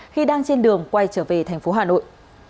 khi đang trên đường quay trở về thành phố hà nội